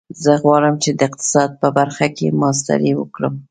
زه غواړم چې د اقتصاد په برخه کې ماسټري وکړم